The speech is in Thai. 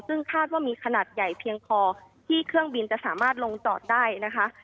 ซึ่งคาดว่ามีขนาดใหญ่เพียงพอที่เครื่องบินจะสามารถลงจอดได้นะคะ